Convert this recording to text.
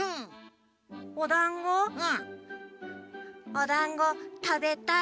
おだんごたべたい。